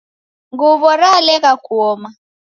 Nguw'o ralegha kuoma